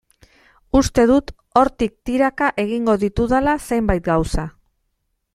Uste dut hortik tiraka egingo ditudala zenbait gauza.